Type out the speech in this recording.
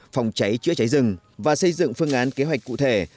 phòng cháy chữa cháy rừng và xây dựng phương án kế hoạch cụ thể